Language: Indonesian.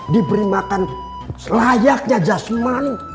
diberi makan selayaknya jasmani